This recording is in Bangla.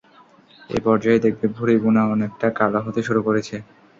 এ পর্যায়ে দেখবে ভুড়ি ভুনা অনেকটা কালো হতে শুরু করেছে।